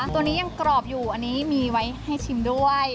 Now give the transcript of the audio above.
ตัวนี้ยังกรอบอยู่อันนี้มีไว้ให้ชิมด้วย